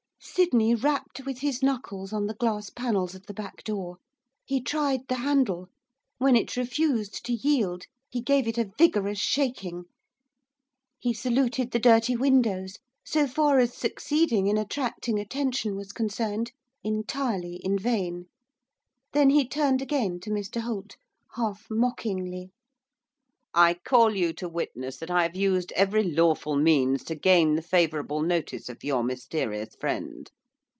Sydney rapped with his knuckles on the glass panels of the back door. He tried the handle; when it refused to yield he gave it a vigorous shaking. He saluted the dirty windows, so far as succeeding in attracting attention was concerned, entirely in vain. Then he turned again to Mr Holt, half mockingly. 'I call you to witness that I have used every lawful means to gain the favourable notice of your mysterious friend.